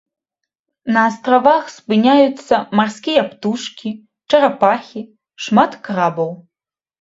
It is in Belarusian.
На астравах спыняюцца марскія птушкі, чарапахі, шмат крабаў.